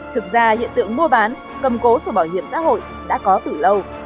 thực ra hiện tượng mua bán cầm cố sổ bảo hiểm xã hội đã có từ lâu